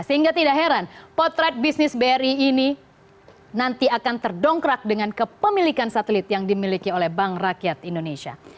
sehingga tidak heran potret bisnis bri ini nanti akan terdongkrak dengan kepemilikan satelit yang dimiliki oleh bank rakyat indonesia